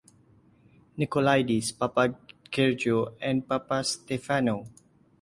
Nikolaidis, Papageorgiou and Papastefanou.